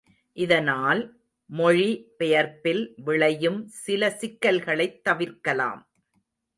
இதனால், மொழி பெயர்ப்பில் விளையும் சில சிக்கல்களைத் தவிர்க்கலாம்.